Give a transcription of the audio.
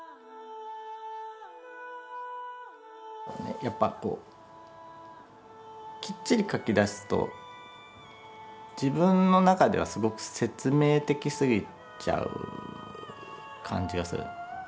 やっぱこうきっちり描き出すと自分の中ではすごく説明的すぎちゃう感じがする。